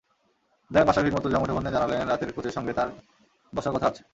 অধিনায়ক মাশরাফি বিন মুর্তজা মুঠোফোনে জানালেন, রাতে কোচের সঙ্গে তাঁর বসার কথা আছে।